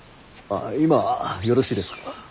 あ今よろしいですか。